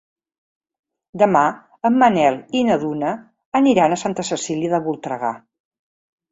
Demà en Manel i na Duna aniran a Santa Cecília de Voltregà.